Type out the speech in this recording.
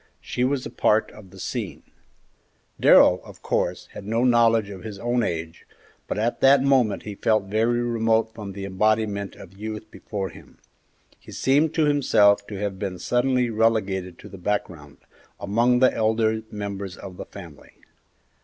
She was a part of the scene. Darrell, of course, had no knowledge of his own age, but at that moment he felt very remote from the embodiment of youth before him; he seemed to himself to have been suddenly relegated to the background, among the elder members of the family.